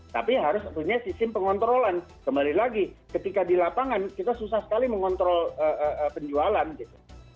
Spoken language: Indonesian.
tapi harus punya sistem pengontrolan kembali lagi ketika di lapangan kita susah sekali mengontrol penjualan gitu